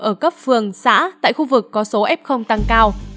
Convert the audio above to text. ở cấp phường xã tại khu vực có số f tăng cao